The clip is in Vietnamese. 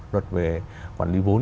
luật về quản lý vốn